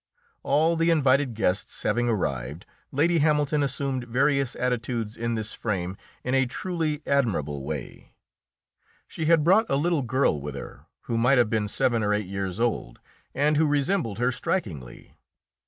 All the invited guests having arrived, Lady Hamilton assumed various attitudes in this frame in a truly admirable way. She had brought a little girl with her, who might have been seven or eight years old, and who resembled her strikingly.